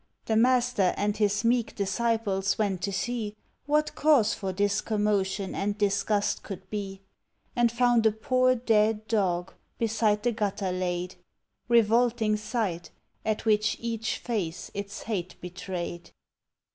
The Master and his meek disciples went to see What cause for this commotion and disgust could be, And found a poor dead dog beside the gutter laid Revolting sight! at which each face its hate betrayed.